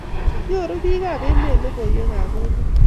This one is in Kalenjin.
nyoruu biikap emet logoiywekab emet